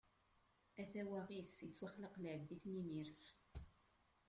A tawaɣit, ittwaxleq lɛebd i tnimirt.